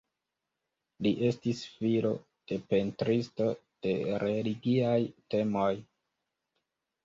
Li estis filo de pentristo de religiaj temoj.